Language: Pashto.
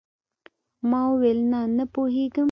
ما وويل نه نه پوهېږم.